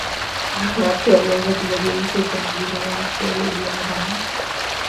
wapya walianza kubadilisha utamaduni wa nchi Aliyejiunga na